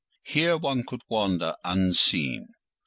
Here one could wander unseen.